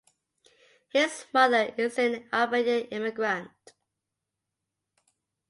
His mother is an Albanian immigrant.